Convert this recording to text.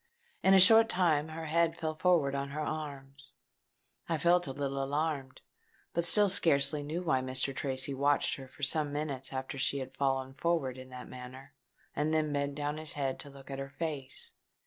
In a short time her head fell forward on her arms. I felt a little alarmed; but still scarcely knew why. Mr. Tracy watched her for some minutes after she had fallen forward in that manner, and then bent down his head to look at her face.